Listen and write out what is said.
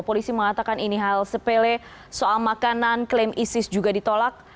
polisi mengatakan ini hal sepele soal makanan klaim isis juga ditolak